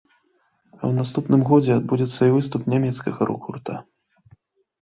А ў наступным годзе адбудзецца і выступ нямецкага рок-гурта.